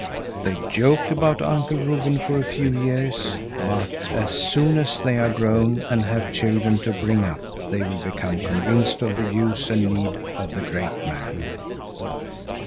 They joke about Uncle Reuben for a few years, but as soon as they are grown and have children to bring up, they will become convinced of the use and need of the great man.